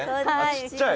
ちっちゃい。